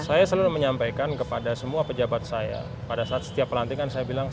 saya selalu menyampaikan kepada semua pejabat saya pada saat setiap pelantikan saya bilang